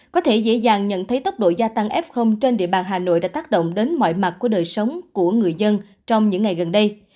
có thể dễ dàng nhận thấy tốc độ gia tăng f trên địa bàn hà nội đã tác động đến mọi mặt của đời sống của người dân trong những ngày gần đây